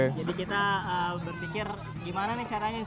jadi kita berpikir gimana nih caranya supaya kita bisa berpikir